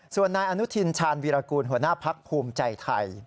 ส่วนนายอนุทินชาญวีรกูลหัวหน้าพักภูมิใจไทย